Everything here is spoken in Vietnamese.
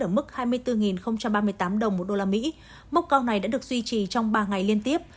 ở mức hai mươi bốn ba mươi tám đồng một đô la mỹ mốc cao này đã được duy trì trong ba ngày liên tiếp